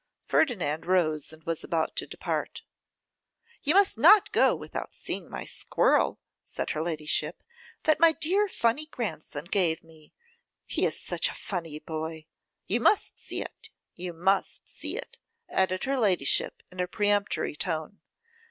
Ferdinand rose, and was about to depart. 'You must not go without seeing my squirrel,' said her ladyship, 'that my dear funny grandson gave me: he is such a funny boy. You must see it, you must see it,' added her ladyship, in a peremptory tone.